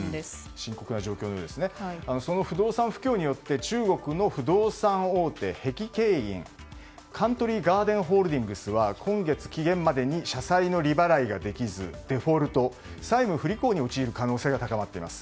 深刻な状況でその不動産不況によって中国の不動産大手・碧桂園カントリー・ガーデン・ホールディングスは今月期限までに社債の利払いができずデフォルト債務不履行に陥る可能性が高まっています。